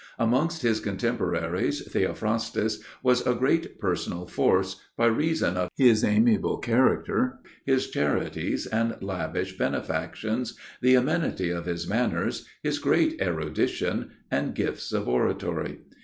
Amongst his contemporaries Theophrastus was a great personal force by reason of his amiable character, his charities and lavish benefactions, the amenity of his manners, his great erudition, and gifts of oratory.